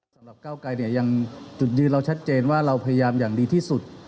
สำหรับเก้าไกรเนี่ยยังจุดยืนเราชัดเจนว่าเราพยายามอย่างดีที่สุด